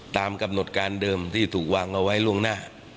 ตามกำหนดการเดิมที่ถูกวางเอาไว้ล่วงหน้า